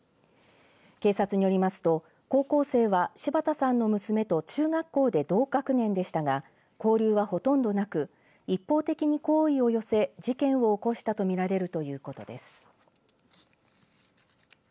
警察によりますと高校生は、柴田さんの娘と中学校で同学年でしたが交流はほとんどなく一方的に好意を寄せ事件を起こしたとみられるということです。